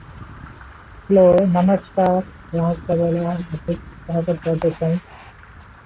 Gonadarche should be contrasted with adrenarche.